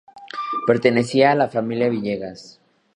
Pertenecía a la familia Villegas.